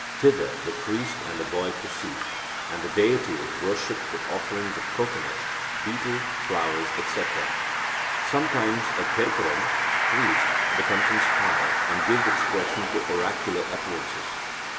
Thither the priest and the boy proceed, and the deity is worshipped with offerings of cocoanuts; betel, flowers, etc. Sometimes a Terkaran (priest) becomes inspired, and gives expression to oracular utterances.